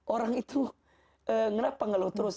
orang itu kenapa ngeluh terus